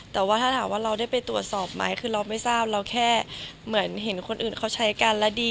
แต่ว่าถ้าถามว่าเราได้ไปตรวจสอบไหมคือเราไม่ทราบเราแค่เหมือนเห็นคนอื่นเขาใช้กันและดี